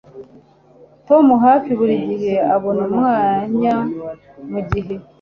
tom hafi buri gihe abona umwanya mugihe